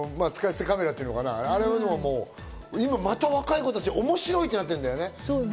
使い捨てカメラっていうのはね、今また若い子たち面白いってなってるんだよね。